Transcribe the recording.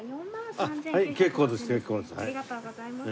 ありがとうございます。